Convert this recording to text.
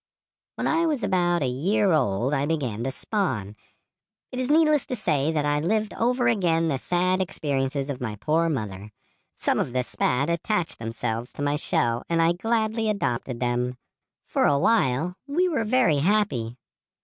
"When I was about a year old I began to spawn. It is needless to say that I lived over again the sad experiences of my poor mother. Some of the spat attached themselves to my shell and I gladly adopted them. For a while we were very happy.